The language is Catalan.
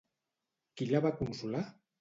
Qui la va consolar?